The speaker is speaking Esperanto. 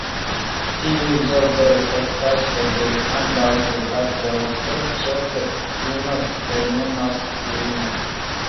Tiuj zorgoj estas tasko de ambaŭ gepatroj, sed ĉefe ino plenumas ilin.